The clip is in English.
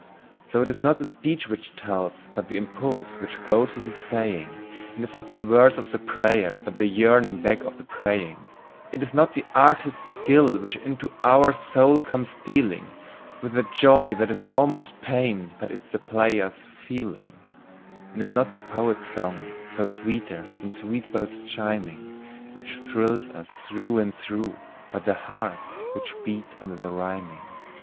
So it is not the speech which tells, but the impulse which goes with the saying; And it is not the words of the prayer, but the yearning back of the praying. It is not the artist's skill which into our soul comes stealing With a joy that is almost pain, but it is the player's feeling. And it is not the poet's song, though sweeter than sweet bells chiming, Which thrills us through and through, but the heart which beats under the rhyming.